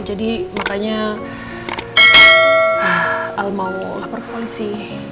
jadi makanya al mawlawah perpolisi